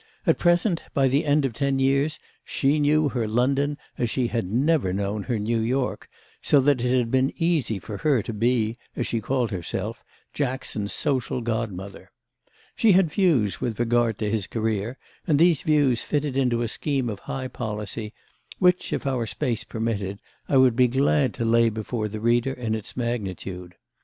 At present, by the end of ten years, she knew her London as she had never known her New York, so that it had been easy for her to be, as she called herself, Jackson's social godmother. She had views with regard to his career, and these views fitted into a scheme of high policy which, if our space permitted, I should be glad to lay before the reader in its magnitude.